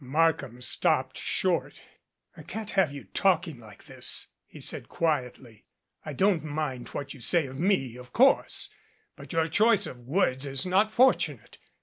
Markham stopped short. "I can't have you talking like this," he said quietly. "I don't mind what you say of me, of course, but your choice of words is not fortunate.